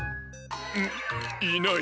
んいない。